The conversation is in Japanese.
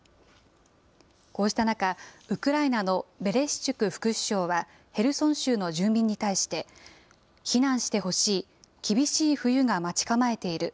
こうした中、ウクライナのベレシチュク副首相はヘルソン州の住民に対して、避難してほしい、厳しい冬が待ち構えている。